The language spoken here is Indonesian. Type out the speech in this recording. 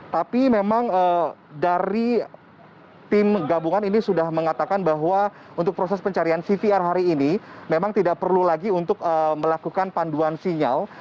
tapi memang dari tim gabungan ini sudah mengatakan bahwa untuk proses pencarian cvr hari ini memang tidak perlu lagi untuk melakukan panduan sinyal